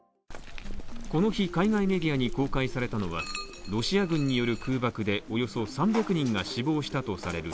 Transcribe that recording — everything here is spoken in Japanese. この日海外メディアに公開されたのはロシア軍による空爆で、およそ３００人が死亡したとされる